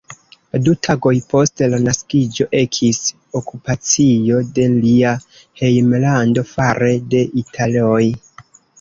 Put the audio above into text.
Du tagoj post la naskiĝo ekis okupacio de lia hejmlando fare de Italoj.